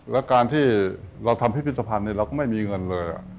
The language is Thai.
แล้วการที่เราทำพิพิธภัณฑ์เราก็ไม่มีเงินเลย